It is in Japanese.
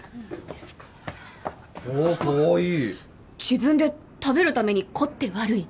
自分で食べるために凝って悪い？